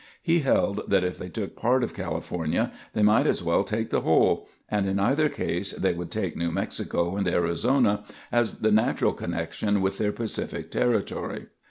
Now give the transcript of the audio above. He held that if they took part of California, they might as well take the whole; and in either case they would take New Mexico and Arizona as the natural connection with their Pacific territory.